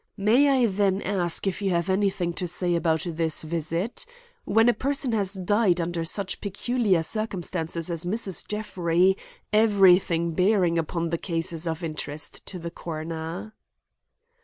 May I then ask if you have anything to say about this visit. When a person has died under such peculiar circumstances as Mrs. Jeffrey, everything bearing upon the case is of interest to the coroner."